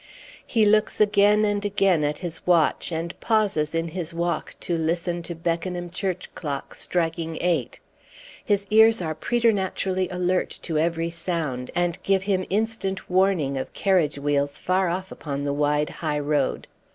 He looks again and again at his watch, and pauses in his walk to listen to Beckenham church clock striking eight; his ears are preternaturally alert to every sound, and give him instant warning of carriage wheels far off upon the wide high road.